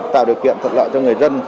tạo điều kiện thật lợi cho người dân